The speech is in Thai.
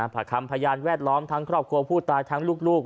ผักคำพยานแวดล้อมทั้งครอบครัวผู้ตายทั้งลูก